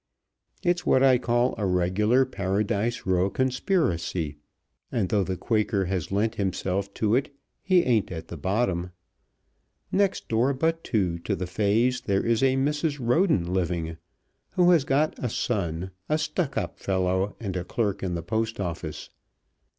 It's what I call a regular Paradise Row conspiracy, and though the Quaker has lent himself to it, he ain't at the bottom. Next door but two to the Fays there is a Mrs. Roden living, who has got a son, a stuck up fellow and a clerk in the Post Office.